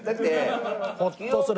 ホッとする。